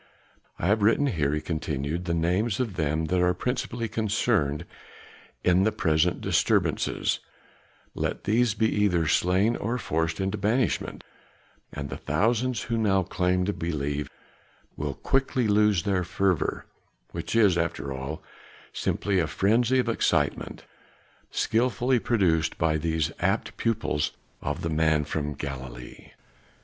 I have written here," he continued, "the names of them that are principally concerned in the present disturbances; let these be either slain or forced into banishment, and the thousands who now claim to believe will quickly lose their fervor which is after all simply a frenzy of excitement, skilfully produced by these apt pupils of the man from Galilee."